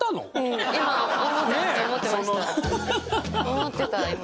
思ってた今。